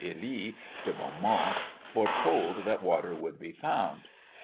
Elie de Beaumont foretold that water would be found.